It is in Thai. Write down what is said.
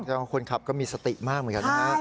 แล้วคนขับก็มีสติมากเหมือนกันนะคะใช่